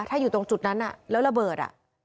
ถ้าอยู่ตรงจุดนั้นแล้วระเบิด